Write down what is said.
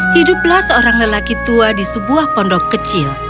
hiduplah seorang lelaki tua di sebuah pondok kecil